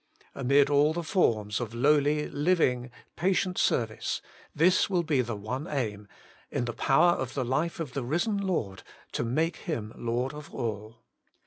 Amid all the forms of lowly, living, patient service, this will be the one aim, in the power of the life of the risen Lord, to make Him Lord of all.